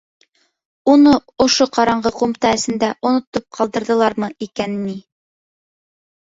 Уны ошо ҡараңғы ҡумта эсендә онотоп ҡалдырҙылармы икән ни?